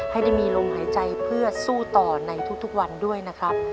ให้ได้มีลมหายใจเพื่อสู้ต่อในทุกวันด้วยนะครับ